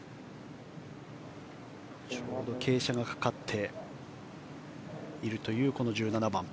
ちょうど傾斜がかかっているという１７番。